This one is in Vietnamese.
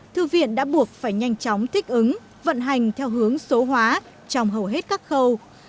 thư viện đã buộc phải nhanh chóng thích ứng vận hành theo hướng số hóa trong hầu hết các khâu